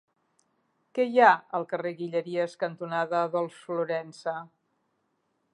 Què hi ha al carrer Guilleries cantonada Adolf Florensa?